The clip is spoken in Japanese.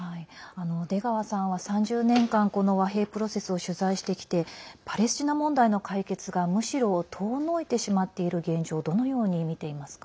出川さんは３０年間この和平プロセスを取材してきてパレスチナ問題の解決がむしろ遠のいてしまっている現状をどのように見ていますか。